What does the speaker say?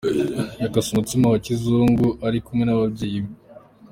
Yakase umutsima wa kizungu ari kumwe n'ababyeyi be.